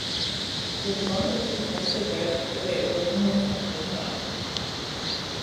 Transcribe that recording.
Ihr besonderes Interesse galt der Überwindung von Gender.